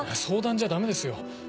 相談じゃダメですよ。